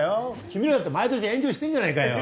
君らだって毎年エンジョイしてんじゃないかよ。